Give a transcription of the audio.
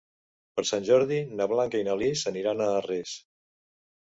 Per Sant Jordi na Blanca i na Lis aniran a Arres.